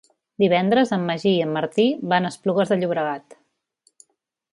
Divendres en Magí i en Martí van a Esplugues de Llobregat.